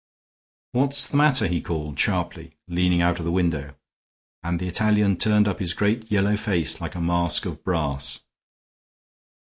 "What is the matter?" he called, sharply, leaning out of the window, and the Italian turned up his great yellow face like a mask of brass.